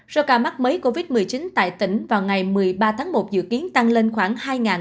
số ca mắc mới covid một mươi chín tại tỉnh vào ngày một mươi ba tháng một dự kiến tăng lên khoảng